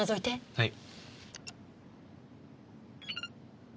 はい。